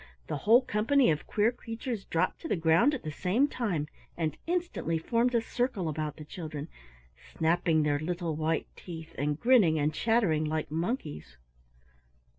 The whole company of queer creatures dropped to the ground at the same time, and instantly formed a circle about the children, snapping their little white teeth, and grinning and chattering like monkeys.